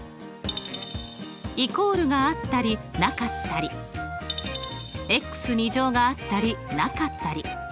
イコールがあったりなかったり。があったりなかったり。